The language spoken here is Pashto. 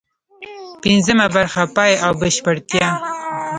پنځمه برخه: پای او بشپړتیا